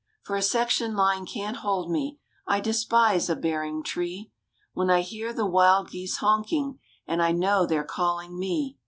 For a section line can't hold me, I despise a "bearing" tree, When I hear the wild geese honking, And I know they're calling me.